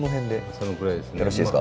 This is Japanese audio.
そのくらいですね。